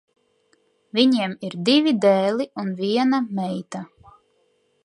Viņiem ir divi dēli un viena meita.